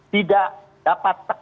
tidak dapat terhubung